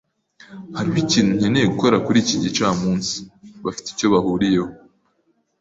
Hariho ikintu nkeneye gukora kuri iki gicamunsi. Bafite icyo bahuriyeho.